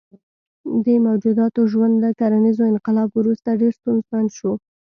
دې موجوداتو ژوند له کرنیز انقلاب وروسته ډېر ستونزمن شو.